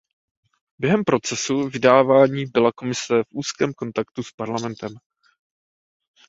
Během procesu vyjednávání byla Komise v úzkém kontaktu s Parlamentem.